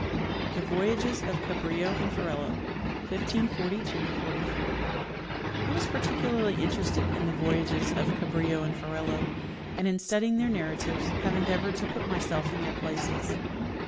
The Voyages of Cabrillo and Ferrelo, 154^ ^3. I was particularly interested in the voyages of Cabrillo and Ferrelo, and in studying their narratives have endeavored to put myself in their places.